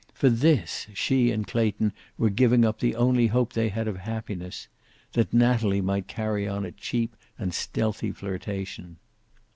For this she and Clayton were giving up the only hope they had of happiness that Natalie might carry on a cheap and stealthy flirtation.